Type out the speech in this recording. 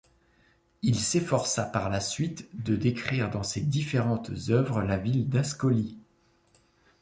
Il s'efforça par la suite de décrire dans ses différentes œuvres la ville d'Ascoli.